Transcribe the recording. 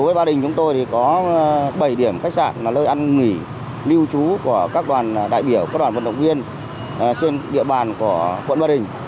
với gia đình chúng tôi thì có bảy điểm khách sạn là nơi ăn nghỉ lưu trú của các đoàn đại biểu các đoàn vận động viên trên địa bàn của quận ba đình